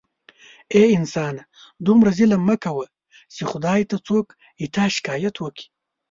اې انسانه دومره ظلم مه کوه چې خدای ته څوک ستا شکایت وکړي